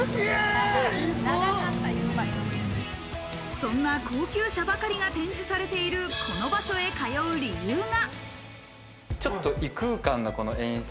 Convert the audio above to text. そんな高級車ばかりが展示されている、この場所へ通う理由が。